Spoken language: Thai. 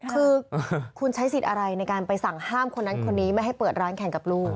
คือคุณใช้สิทธิ์อะไรในการไปสั่งห้ามคนนั้นคนนี้ไม่ให้เปิดร้านแข่งกับลูก